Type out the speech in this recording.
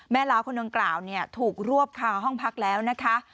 แม่ล้าคนนึงกล่าวเนี่ยถูกรวบค่าห้องพักแล้วนะคะ